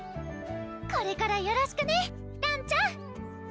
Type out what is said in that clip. これからよろしくねらんちゃん！